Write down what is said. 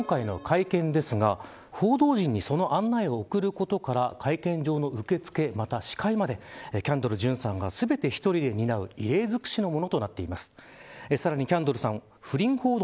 今回の会見ですが報道陣にその案内を送ることから会見場の受付、また司会までキャンドル・ジュンさんが全て１人で担う異例づくしのものとなっています。